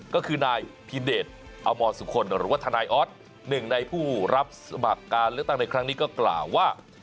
ก็คือนายพิเดชอมรสุคลหรือว่าทนายออสหนึ่งในผู้รับสมัครการเลือกตั้งในครั้งนี้ก็กล่าวว่า